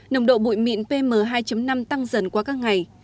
nồng độ bụi mịn pm hai năm tăng dần qua các ngày